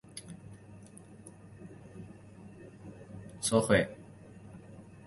但古酿造作房被太平天国翼王石达开进攻贵州时所毁。